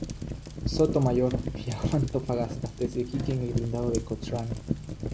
Sotomayor viajó a Antofagasta desde Iquique en el blindado "Cochrane".